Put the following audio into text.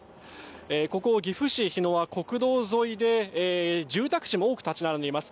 ここ岐阜市日野は国道沿いで住宅地も多く建ち並んでいます。